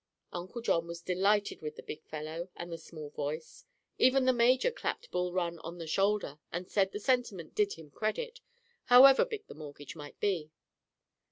Uncle John was delighted with the big fellow with the small voice. Even the major clapped Bul Run on the shoulder and said the sentiment did him credit, however big the mortgage might be.